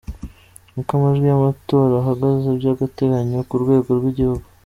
Uko amajwi y'amatora ahagaze by'agateganyo ku rwego rw'igihugu.